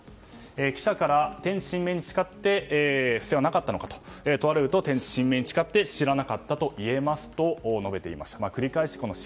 記者から天地神明に誓って不正はなかったのかと問われると、天地神明に誓って知らなかったと言えますと述べていました。